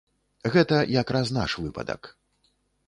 Гэта якраз наш выпадак.